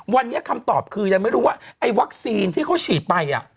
วันนี้คำตอบคือยังไม่รู้ว่าไอ้วัคซีนที่เขาฉีดไป